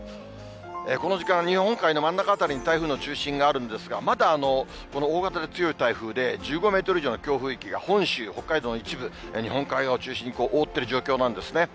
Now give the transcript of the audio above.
この時間、日本海の真ん中辺りに台風の中心があるんですが、まだこの大型で強い台風で、１５メートル以上の強風域が本州、北海道の一部、日本海側を中心に覆っている状況なんですね。